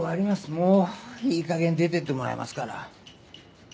もういいかげん出てってもらいますから。